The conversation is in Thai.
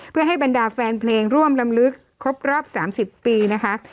เพื่อให้บรรดาแฟนเพลงร่วมลำลึกครบรอบ๓๐ปีนะคะ